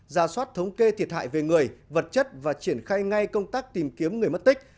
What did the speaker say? ra soát thống kê thiệt hại về người vật chất và triển khai ngay công tác tìm kiếm người mất tích